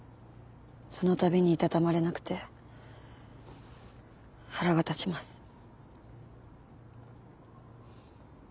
そのたびにいたたまれなくて腹が立ちます。